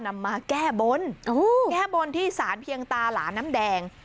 ที่ชาวบ้านนำมาแก้บ้นแก้บ้นที่สารเพียงตาหลาน้ำแดง